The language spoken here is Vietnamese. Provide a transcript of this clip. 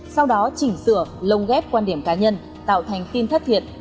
sau đó chỉnh sửa lồng ghép quan điểm cá nhân tạo thành tin thất thiệt